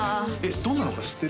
どんなのか知ってる？